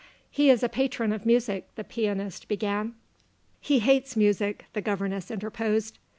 "He is a patron of music," the pianist began. "He hates music," the governess interposed.